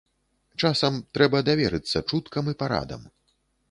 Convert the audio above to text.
Часам трэба даверыцца чуткам і парадам.